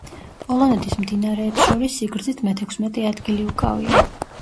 პოლონეთის მდინარეებს შორის სიგრძით მეთექვსმეტე ადგილი უკავია.